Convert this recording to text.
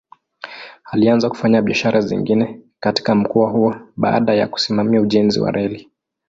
Alianza kufanya biashara zingine katika mkoa huo baada ya kusimamia ujenzi wa reli.